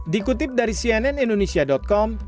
dikutip dari cnn indonesia com